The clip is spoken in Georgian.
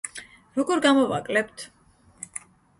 როგორ გამოვაკლებთ?